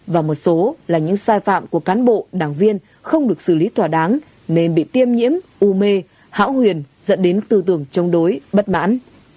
và một số là những sai phạm của cán bộ đảng viên không được xử lý thỏa đáng nên bị tiêm nhiễm u mê hão huyền dẫn đến tư tưởng chống đối bất mãn